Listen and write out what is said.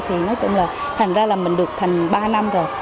thì nói chung là thành ra là mình được thành ba năm rồi